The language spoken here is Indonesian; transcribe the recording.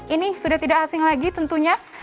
ini sudah tidak asing lagi tentunya